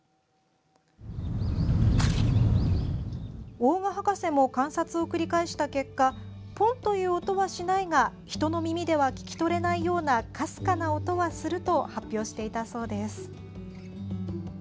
大賀博士も観察を繰り返した結果ポンという音はしないが人の耳では聞き取れないようなかすかな音はすると発表していたそうです。